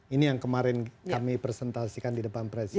ini yang kemarin kami presentasikan di depan presiden